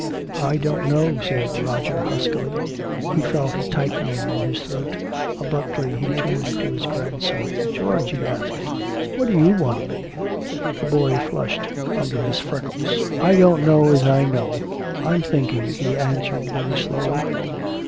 "I don't know," said Roger huskily. He felt a tightening at his throat. Abruptly he turned to his grandson. "George," he asked, "what do you want to be?" The boy flushed under his freckles. "I don't know as I know. I'm thinking," he answered very slowly.